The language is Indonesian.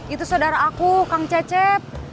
itu saudara aku kang cecep